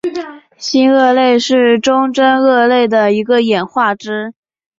新鳄类是中真鳄类的一个演化支。